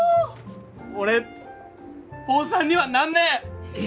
俺坊さんにはなんねえ！